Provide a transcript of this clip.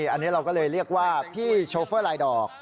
อันนี้เราก็เลยเรียกว่าพี่โชเฟอร์ลายดอก